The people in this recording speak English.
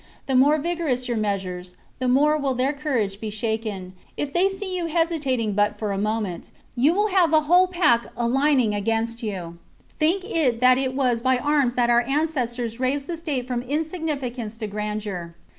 The more vigorous your measures, the more will their courage be shaken. If they see you hesitating, but for a moment, you will have the whole pack marching valiantly against you. i^ " Think not that it was by arms that our ancestors raised the state from insignificance to grandeur.